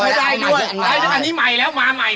เออเป็นยังไงเป็นยังไง๔จ้าวแล้วนี่